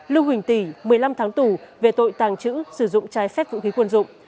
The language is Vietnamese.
lưu quỳnh tỷ một mươi năm tháng tù về tội tàng trữ sử dụng trái phép vũ khí quân dụng